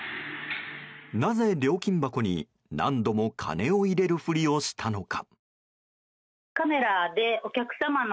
なぜ料金箱に、何度も金を入れるふりをしたのか。